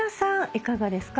いかがですか？